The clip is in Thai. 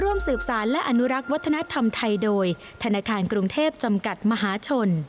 ร่วมสืบสารและอนุรักษ์วัฒนธรรมไทยโดยธนาคารกรุงเทพจำกัดมหาชน